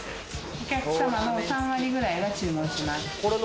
お客様の３割くらいが注文します。